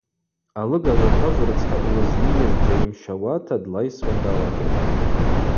Алыгажв атажв рыцхӏа йлызнийыз джьайымщауата длайсуа далагатӏ.